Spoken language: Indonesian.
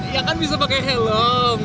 ya kan bisa pakai helm